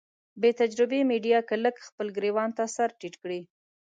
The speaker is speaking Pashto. بې تجربې ميډيا که لږ خپل ګرېوان ته سر ټيټ کړي.